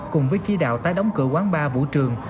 cùng với chí đạo tái đóng cửa quán ba vũ trường